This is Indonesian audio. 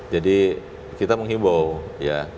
jadi kita menghibur ya